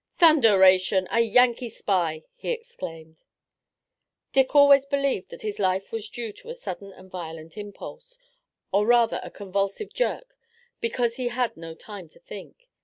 "Thunderation, a Yankee spy!" he exclaimed. Dick always believed that his life was due to a sudden and violent impulse, or rather a convulsive jerk, because he had no time to think.